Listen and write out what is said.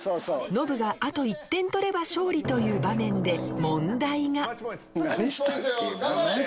ノブがあと１点取れば勝利という場面で頑張れ！